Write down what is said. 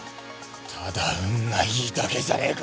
ただ運がいいだけじゃねえか。